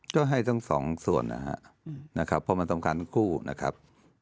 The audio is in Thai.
ก็ให้ทั้งสองส่วนนะครับเพราะมันสำคัญกู้นะครับ